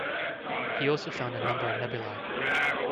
He also found a number of nebulae.